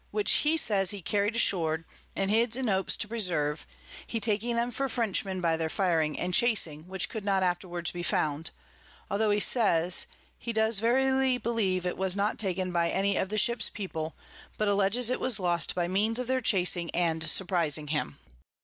which he says he carry'd ashore, and hid in hopes to preserve (he taking them for Frenchmen _by their firing and chasing) which could not afterwards be found, altho, he says, he does verily believe it was not taken by any of the Ships People, but alledges it was lost by means of their chasing and surprizing him.